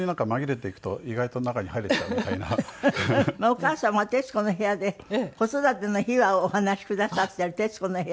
お母様は『徹子の部屋』で子育ての秘話をお話しくださっている『徹子の部屋』。